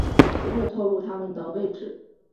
不会透漏他们的位置